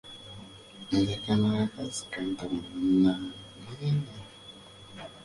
Nze kano akakazi kantama bannange!